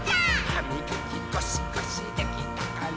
「はみがきゴシゴシできたかな？」